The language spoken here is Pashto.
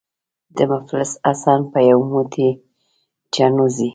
د مفلس حسن په یو موټی چڼو ځي.